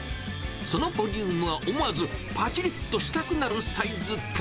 そのボリュームは、思わずぱちりとしたくなるサイズ感。